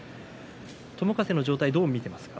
友風の状態、どう見ていますか。